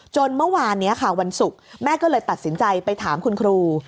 เมื่อวานนี้ค่ะวันศุกร์แม่ก็เลยตัดสินใจไปถามคุณครู